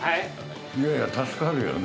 いやいや、助かるよね。